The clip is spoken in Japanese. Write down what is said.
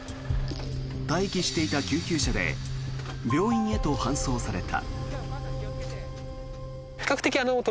待機していた救急車で病院へと搬送された。